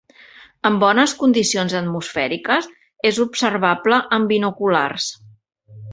En bones condicions atmosfèriques és observable amb binoculars.